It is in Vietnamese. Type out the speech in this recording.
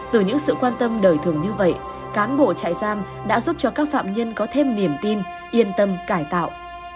từ những sự quan tâm đời thường như vậy cán bộ trại giam đã giúp cho các phạm nhân có thêm niềm tin yên tâm cải tạo